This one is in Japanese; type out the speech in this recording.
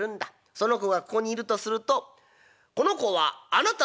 その子がここにいるとすると『この子はあなたのお子さんですか？